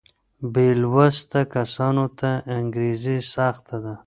بې لوسته کسانو ته انګرېزي سخته ده.